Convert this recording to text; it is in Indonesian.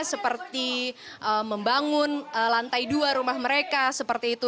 seperti membangun lantai dua rumah mereka seperti itu